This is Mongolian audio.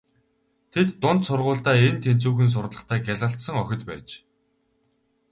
Тэд дунд сургуульдаа эн тэнцүүхэн сурлагатай гялалзсан охид байж.